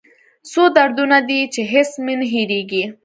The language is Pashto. څو دردونه دي چې هېڅ مې نه هېریږي